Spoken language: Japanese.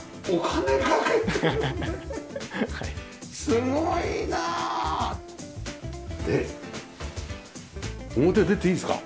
すごいな！で表出ていいんですか？